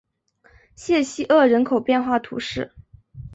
谢西厄人口变化图示